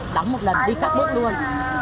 đóng một lần đi các bước luôn